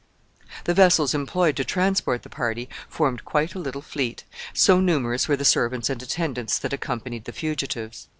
The vessels employed to transport the party formed quite a little fleet, so numerous were the servants and attendants that accompanied the fugitives.